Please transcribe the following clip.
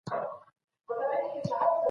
د عامه شتمنیو ساتنه زموږ ټولو دنده ده.